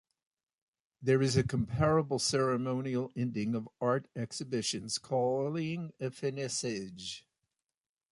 There is a comparable ceremonial ending of art exhibitions, called a "finissage".